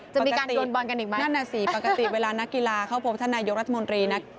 จะมีการโดนบอลกันอีกไหมนั่นน่ะสิปกติเวลานักกีฬาเข้าพบท่านนายกรัฐมนตรีนะ